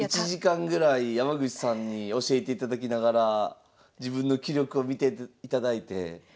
１時間ぐらい山口さんに教えていただきながら自分の棋力を見ていただいて。